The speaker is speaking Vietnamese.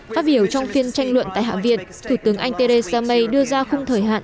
phát biểu trong phiên tranh luận tại hạ viện thủ tướng anh theresa may đưa ra khung thời hạn